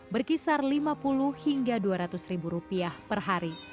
berkisar lima puluh hingga dua ratus ribu rupiah per hari